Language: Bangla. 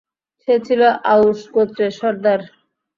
সে ছিল আউস গোত্রের সর্দার।